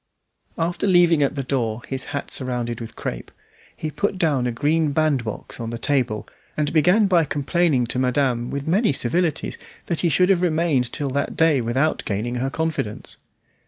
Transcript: After leaving at the door his hat surrounded with crape, he put down a green bandbox on the table, and began by complaining to madame, with many civilities, that he should have remained till that day without gaining her confidence.